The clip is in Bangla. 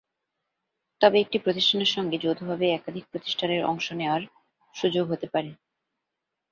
তবে একটি প্রতিষ্ঠানের সঙ্গে যৌথভাবে একাধিক প্রতিষ্ঠানের অংশ নেওয়ার সুযোগ হতে পারে।